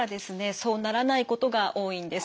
そうならないことが多いんです。